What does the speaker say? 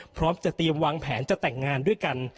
พร้อมจะเตรียมวางแผนจะแต่งงานด้วยกัน